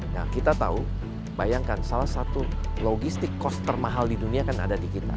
nah kita tahu bayangkan salah satu logistik cost termahal di dunia kan ada di kita